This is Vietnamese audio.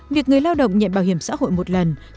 việc người lao động nhận bảo hiểm xã hội một lần khi mất